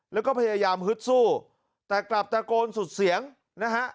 แล้วก็พยายามฮึดสู้แต่กลับตะโกนสุดเสียงนะฮะ